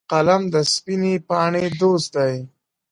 قلم د سپینې پاڼې دوست دی